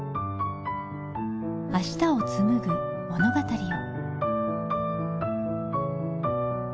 明日をつむぐ物語を。